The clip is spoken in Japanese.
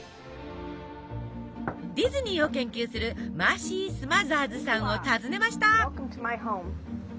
ディズニーを研究するマーシー・スマザーズさんを訪ねました。